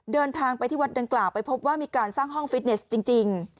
เดินทางไปที่วัดดังกล่าวไปพบว่ามีการสร้างห้องฟิตเนสจริง